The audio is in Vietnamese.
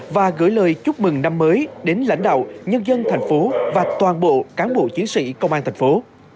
và gửi lời chúc mừng năm mới đến lãnh đạo nhân dân thành phố và toàn bộ cán bộ chiến sĩ công an thành phố